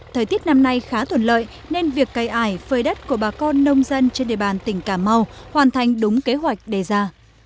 thời tiết năm nay khá thuận lợi nên việc cây ải phơi đất của bà con nông dân trên địa bàn tỉnh cà mau hoàn thành đúng kế hoạch đề ra